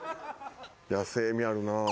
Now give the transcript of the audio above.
野性味あるな。